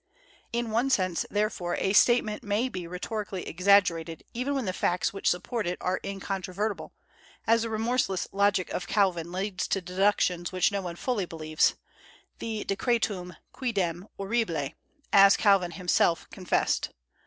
In one sense, therefore, a statement may be rhetorically exaggerated, even when the facts which support it are incontrovertible, as the remorseless logic of Calvin leads to deductions which no one fully believes, the decretum quidem horribile, as Calvin himself confessed.